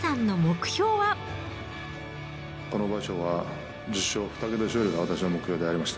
この場所は、１０勝、２桁勝利が私の目標でありました。